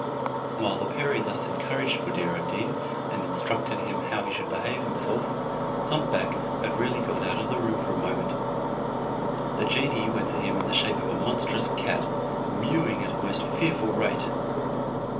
While the perie thus encouraged Buddir ad Deen, and instructed him how he should behave himself, hump back had really gone out of the room for a moment. The genie went to him in the shape of a monstrous cat, mewing at a most fearful rate.